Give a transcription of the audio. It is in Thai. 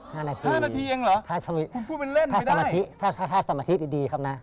ฮะ๕นาทีคุณพูดเป็นเล่นไม่ได้ถ้าสมาธิถ้าสมาธิดีครับนะ